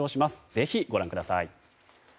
ぜひご覧ください。